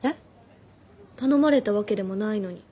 頼まれたわけでもないのに。